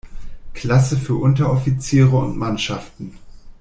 Klasse für Unteroffiziere und Mannschaften.